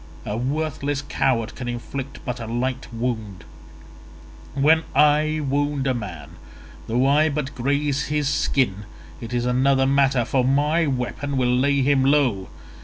A worthless coward can inflict but a light wound; when I wound a man though I but graze his skin it is another matter, for my weapon will lay him low.